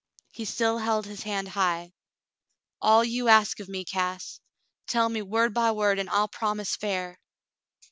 He still held his hand high. "All you ask of me, Cass. Tell me word by word, an' I'll promise fair."